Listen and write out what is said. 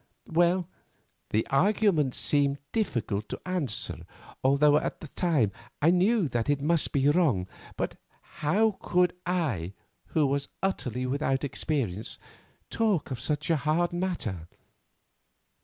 "Well, the argument seemed difficult to answer, although at the time I knew that it must be wrong, but how could I, who was utterly without experience, talk of such a hard matter?